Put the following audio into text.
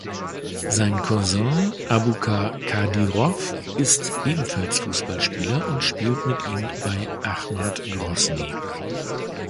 Sein Cousin Abubakar Kadyrow ist ebenfalls Fußballspieler und spielt mit ihm bei Achmat Grosny.